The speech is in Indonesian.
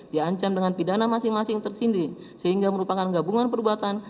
diancam dengan pidana masing masing tersindir sehingga merupakan gabungan perbuatan